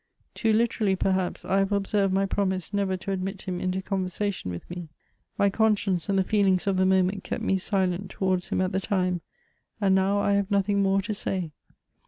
Too literally, perhaps, I have observed my promise never to admit him into conversation with me. My conscience and the feelings of the moment kept me silent towards him at the time, and now I have nothing more to say.